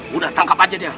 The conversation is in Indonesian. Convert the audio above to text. sudah tangkap saja dia